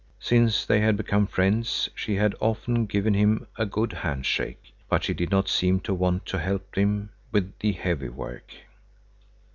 Since they had become friends she had often given him a good handshake, but she did not seem to want to help him with the heavy work.